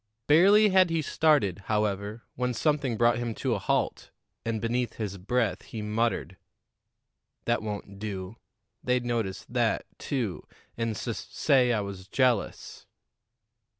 Barely had he started, however, when something brought him to a halt, and beneath his breath he muttered: "That won't do. They'd notice that, too, and sus say I was jealous."